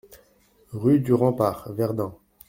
Rue du Rempart, Verdun